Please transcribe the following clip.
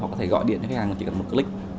họ có thể gọi điện cho khách hàng chỉ cần một click